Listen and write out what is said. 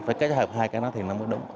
phải kết hợp hai cái đó thì nó mới đúng